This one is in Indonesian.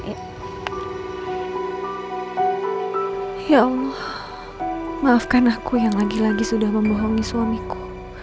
ya allah maafkan aku yang lagi lagi sudah membohongi suamiku